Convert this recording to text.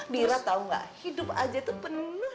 bira tau nggak hidup aja tuh penuh